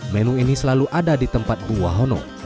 menu ini selalu ada di tempat buahono